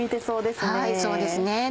そうですね。